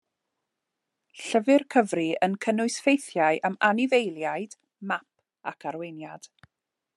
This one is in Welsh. Llyfr cyfri yn cynnwys ffeithiau am anifeiliaid, map ac arweiniad.